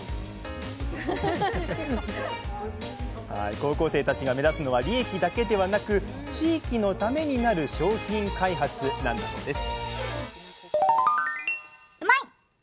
高校生たちが目指すのは利益だけではなく地域のためになる商品開発なんだそうです